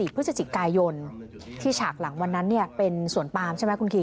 พฤศจิกายนที่ฉากหลังวันนั้นเป็นสวนปามใช่ไหมคุณคิ